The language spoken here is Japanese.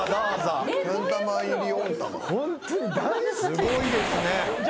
すごいですね。